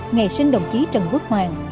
ngày sinh đồng chí trần quốc hoàn